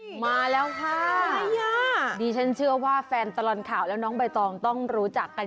มาแล้วค่ะดิฉันเชื่อว่าแฟนตลอดข่าวแล้วน้องใบตองต้องรู้จักกัน